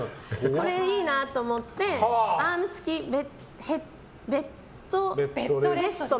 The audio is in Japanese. これいいなと思ってアーム付きベッドレスト